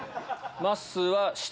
まっすーは下？